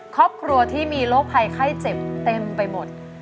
ครอบครัวที่มีโรคภัยไข้เจ็บเต็มไปหมด